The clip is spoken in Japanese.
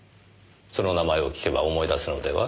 その名前を聞けば思い出すのでは？